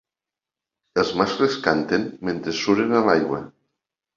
Els mascles canten mentre suren a l'aigua.